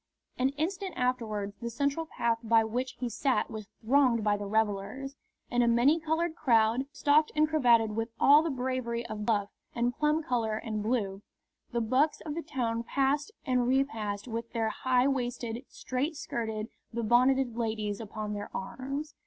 An instant afterwards the central path by which he sat was thronged by the revellers. In a many coloured crowd, stocked and cravated with all the bravery of buff and plum colour and blue, the bucks of the town passed and repassed with their high waisted, straight skirted, be bonneted ladies upon their arms.